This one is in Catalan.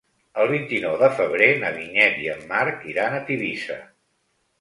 El vint-i-nou de febrer na Vinyet i en Marc iran a Tivissa.